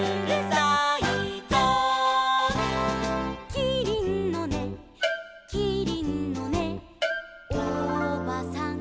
「キリンのねキリンのねおばさんがね」